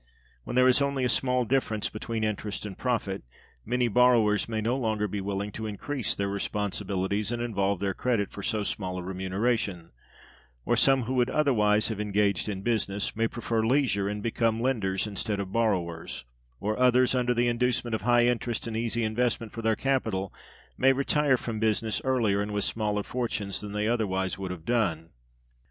When there is only a small difference between interest and profit, many borrowers may no longer be willing to increase their responsibilities and involve their credit for so small a remuneration: or some, who would otherwise have engaged in business, may prefer leisure, and become lenders instead of borrowers: or others, under the inducement of high interest and easy investment for their capital, may retire from business earlier, and with smaller fortunes, than they otherwise would have done.